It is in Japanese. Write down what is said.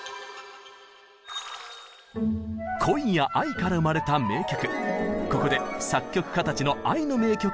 恋や愛から生まれた名曲。